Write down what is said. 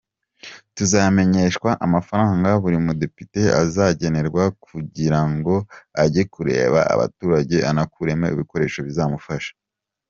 Tuzamenyeshwa amafaranga buri mudepite azagenerwa kugira ngo ajye kureba abaturage anakuremo ibikoresho bizamufasha.